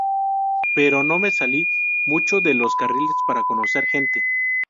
Pero no me salí mucho de los carriles para conocer gente.